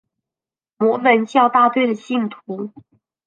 摩门教大队的信徒。